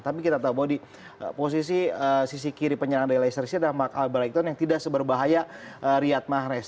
tapi kita tahu bahwa di posisi sisi kiri penyerang dari leicester city ada mark albert ayrton yang tidak seberbahaya riyad mahrez